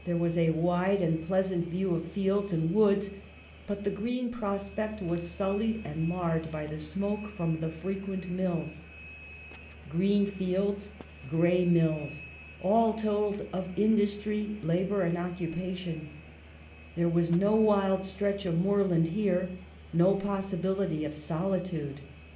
75 was a wide and pleasant view of fields and woods ; but the green prospect was sullied and marred by the smoke from the frequent mills. Green fields, gray mills, all told of industry, labor, occupation. There was no wild stretch of moorland here, no possibility of solitude.